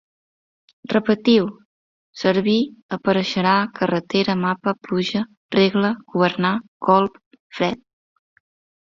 Repetiu: servir, apareixerà, carretera, mapa, pluja, regla, governar, colp, fred